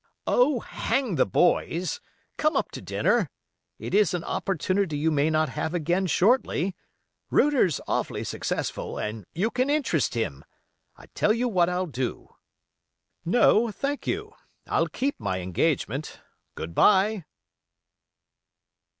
"Oh! hang the boys! Come up to dinner. It is an opportunity you may not have again shortly. Router's awfully successful, and you can interest him. I tell you what I'll do——" "No, thank you, I'll keep my engagement. Good by."